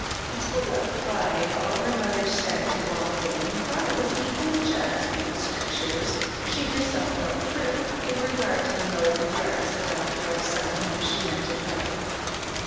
Matilda applied all her mother said to waltzing, and thought it was equally just with the strictures she herself felt true, with regard to the mode of dress adopted by some whom she met in public.